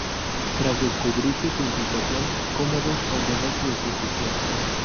Tras descubrirse su implicación, Cómodo ordenó su ejecución.